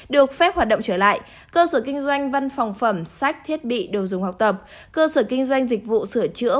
được phép hoạt động trở lại cơ sở kinh doanh văn phòng phẩm sách thiết bị đồ dùng học tập cơ sở kinh doanh dịch vụ sửa chữa